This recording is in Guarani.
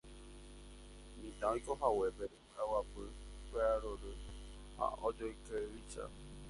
mitã oikohaguépe py'aguapy, py'arory ha ojoyke'ýicha